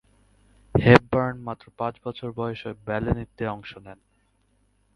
Hepburn মাত্র পাঁচ বছর বয়সেই ব্যালে নৃত্যে অংশ নেন।